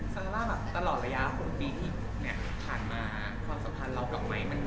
ซาร่าแบบตลอดระยะ๖ปีที่ผ่านมาความสำคัญหรอกมั้ย